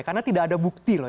karena tidak ada bukti loh